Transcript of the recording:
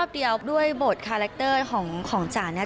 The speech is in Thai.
แค่รอบเดียวด้วยบทคาแรคเตอร์ของฉากเนี่ย